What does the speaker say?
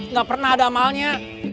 gak pernah ada amalnya